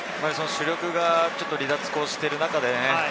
主力が離脱している中で。